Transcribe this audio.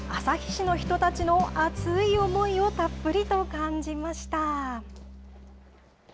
市の人たちの熱い思いをたっぷりと感じました。